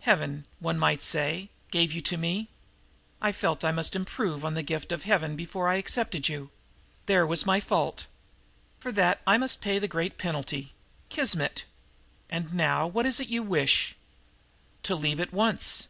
Heaven, one might say, gave you to me. I felt that I must improve on the gift of Heaven before I accepted you. There was my fault. For that I must pay the great penalty. Kismet! And now, what is it you wish?" "To leave at once."